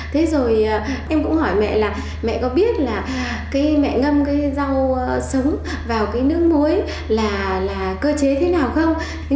thế rồi em cũng hỏi mẹ là mẹ có biết là cái mẹ ngâm cái rau sống vào cái nước muối là cơ chế thế nào không